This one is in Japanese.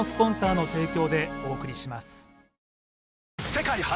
世界初！